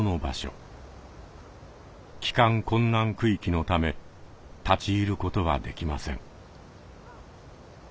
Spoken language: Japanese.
帰還困難区域のため立ち入ることはできません。